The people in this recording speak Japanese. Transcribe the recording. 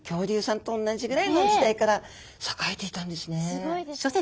すごいですね。